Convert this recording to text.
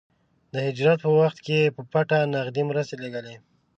د هجرت په وخت کې يې په پټه نغدې مرستې لېږلې.